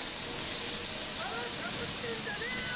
腹タプってんじゃねえよ！